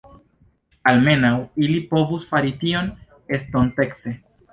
Almenaŭ ili povus fari tion estontece.